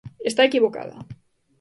Está equivocada.